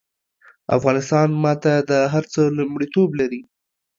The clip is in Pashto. افغانستان ماته د هر څه لومړيتوب لري